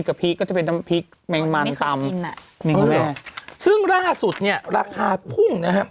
ะพริกก็จะเป็นน้ำพริกแมงมันตำอ่ะนี่เลยซึ่งล่าสุดเนี่ยราคาพุ่งนะฮะ